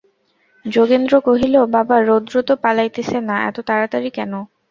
যোগেন্দ্র কহিল, বাবা, রৌদ্র তো পালাইতেছে না, এত তাড়াতাড়ি কেন?